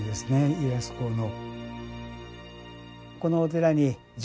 家康公の。